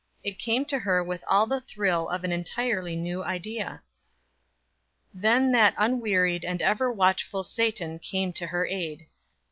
It came to her with all the thrill of an entirely new idea. Then that unwearied and ever watchful Satan came to her aid.